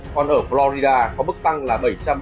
còn ở florida có mức tăng là bảy trăm bốn mươi bốn